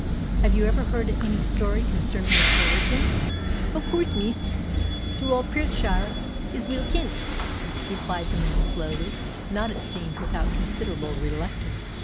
Have you ever heard any story concerning their origin?" "Of coorse, miss. Through all Perthshire it's weel kent," replied the man slowly, not, it seemed, without considerable reluctance.